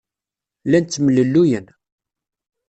Llan ttemlelluyen.